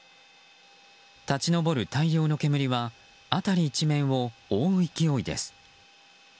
立ち上る大量の煙は辺り一面を覆う勢いです。